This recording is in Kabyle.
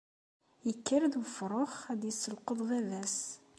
yekker-d wefrux ad yesselqeḍ baba-s.